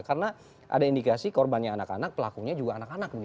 karena ada indikasi korbannya anak anak pelakunya juga anak anak